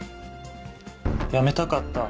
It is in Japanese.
やめたかった。